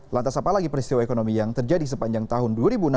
lantas apalagi peristiwa ekonomi yang terjadi sepanjang tahun dua ribu enam belas